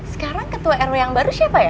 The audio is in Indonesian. sekarang ketua rw yang baru siapa ya